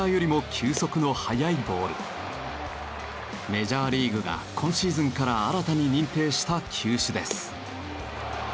メジャーリーグが今シーズンから新たに認定した球種です。